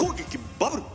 バブル！